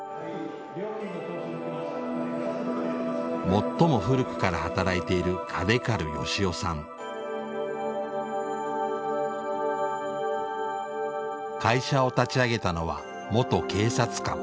最も古くから働いている会社を立ち上げたのは元警察官。